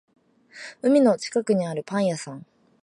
海の近くにあるパン屋さん